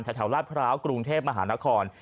แถวลาดพร้าวกรุงเทพมหานคร